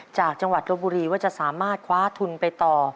จากจังหวัดรบบุรีว่าจะสามารถคว้าทุนไปต่อ